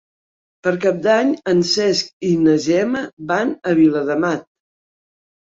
Per Cap d'Any en Cesc i na Gemma van a Viladamat.